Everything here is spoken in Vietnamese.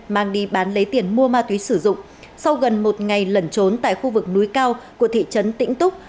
mang đi bán lấy tiền mua ma túy sử dụng sau gần một ngày lẩn trốn tại khu vực núi cao của thị trấn tĩnh túc